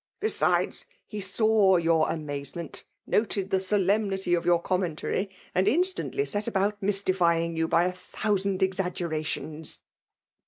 Besides^ he saw your amazements noted the solemnity . pf your commentary, and instantly set about m^* tifying you by a thousand exaggerations.